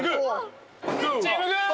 チームグー！